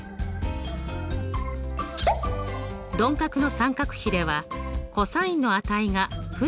鈍角の三角比ではｃｏｓの値が負になります。